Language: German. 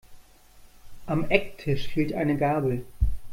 Am Ecktisch fehlt eine Gabel.